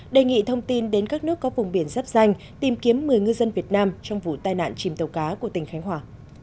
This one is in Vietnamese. đề nghị thông tin đến các nước có vùng biển giáp danh tìm kiếm một mươi ngư dân việt nam trong vụ tai nạn chìm tàu cá của tỉnh khánh hòa